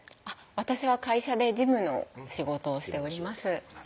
私は会社で事務の仕事をしております